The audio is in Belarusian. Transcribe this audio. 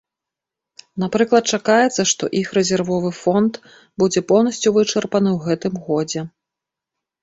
Напрыклад, чакаецца, што іх рэзервовы фонд будзе поўнасцю вычарпаны ў гэтым годзе.